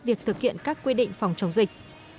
việc thực hiện các quy định phòng chống dịch